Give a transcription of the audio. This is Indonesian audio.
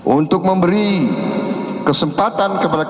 untuk memberi kesempatan kepada kami